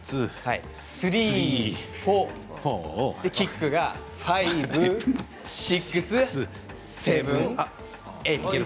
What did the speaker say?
３、４、キックが５、６。